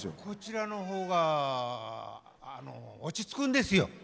こちらのほうが落ち着くんですよ。